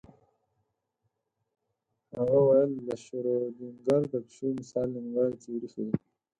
هغه ویل د شرودینګر د پیشو مثال نیمګړې تیوري ښيي.